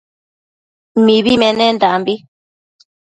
Mibi menendanbi